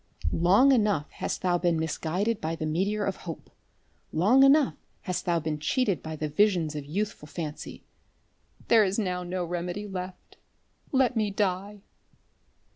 Long enough hast thou been misguided by the meteor of hope. Long enough hast thou been cheated by the visions of youthful fancy. There is now no remedy left. Let me die."